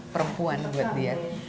perempuan buat dia